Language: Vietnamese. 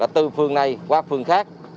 từ phường này qua phường khác